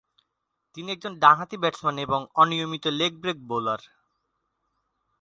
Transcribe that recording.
তিনি একজন ডানহাতি ব্যাটসম্যান এবং অনিয়মিত লেগ ব্রেক বোলার।